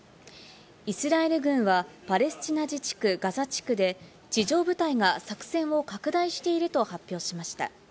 イスラエル軍はパレスチナ自治区ガザ地区で、地上部隊が作戦を拡大していると発表しました。